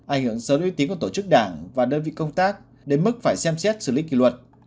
ảnh hưởng xấu uy tín của tổ chức đảng và đơn vị công tác đến mức phải xem xét xử lý kỷ luật